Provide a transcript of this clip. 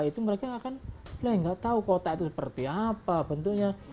itu mereka akan mulai nggak tahu kotak itu seperti apa bentuknya